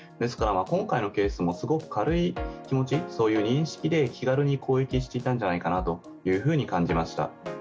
今回のケースもすごい軽い気持ち認識で、気軽に攻撃していたのではないかなというふうに感じました。